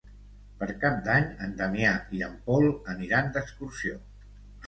Per Cap d'Any en Damià i en Pol aniran d'excursió.